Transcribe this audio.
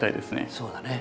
そうだね。